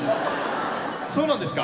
そうなんですか！？